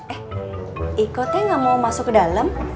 eh ikutnya gak mau masuk ke dalam